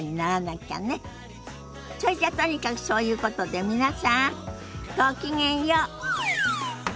そいじゃとにかくそういうことで皆さんごきげんよう。